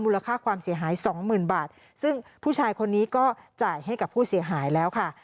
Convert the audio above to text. ค่าความเสียหายสองหมื่นบาทซึ่งผู้ชายคนนี้ก็จ่ายให้กับผู้เสียหายแล้วค่ะ